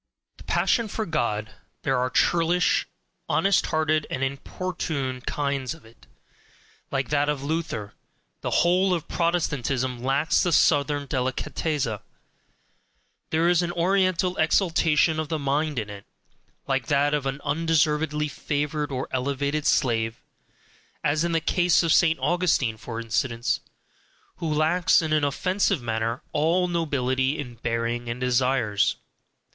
The passion for God: there are churlish, honest hearted, and importunate kinds of it, like that of Luther the whole of Protestantism lacks the southern DELICATEZZA. There is an Oriental exaltation of the mind in it, like that of an undeservedly favoured or elevated slave, as in the case of St. Augustine, for instance, who lacks in an offensive manner, all nobility in bearing and desires.